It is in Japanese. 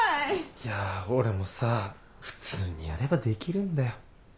いや俺もさ普通にやればできるんだよ。